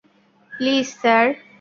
Please, sir.